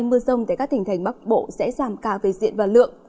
mưa rông tại các tỉnh thành bắc bộ sẽ giảm cả về diện và lượng